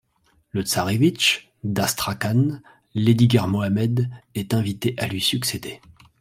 Le tsarévitch d'Astrakhan, Iedyguer-Mohammed est invité à lui succéder.